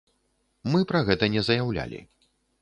Мы пра гэта не заяўлялі.